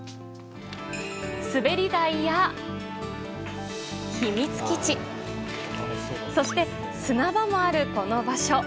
滑り台や秘密基地そして砂場もある、この場所。